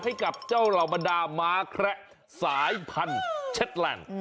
ให้กับเจ้าเหล่าบรรดาม้าแคระสายพันธุ์เช็ดแลนด์